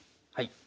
はい。